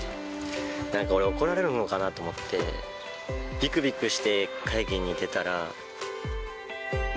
なんか俺、怒られるのかなと思って、びくびくして会議に出たら。